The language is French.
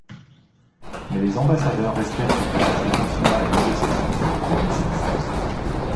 Mais les ambassadeurs restèrent sur place et continuèrent les négociations pour obtenir satisfaction.